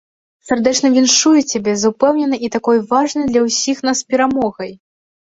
Сардэчна віншую цябе з упэўненай і такой важнай для ўсіх нас перамогай!